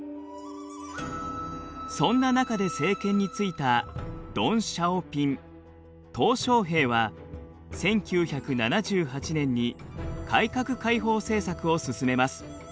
そんな中で政権に就いたドンシャオピン小平は１９７８年に改革開放政策を進めます。